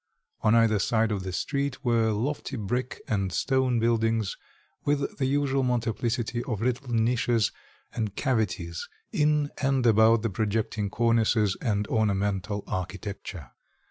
On either side of the street were lofty brick and stone buildings, with the usual multiplicity of little niches and cavities in and about the projecting cornices and ornamental architecture.